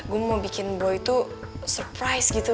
gue mau bikin bro itu surprise gitu